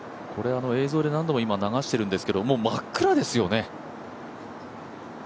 映像で何度も流しているんですけど、真っ暗ですよね。